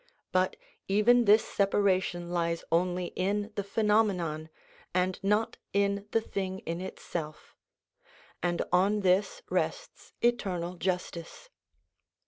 But even this separation lies only in the phenomenon, and not in the thing in itself; and on this rests eternal justice.